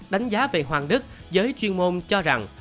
đánh giá về hoàng đức giới chuyên môn cho rằng